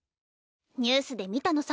ニュースで見たのさ。